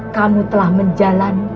kamu telah menjalani